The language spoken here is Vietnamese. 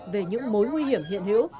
về những mối nguy hiểm hiện hữu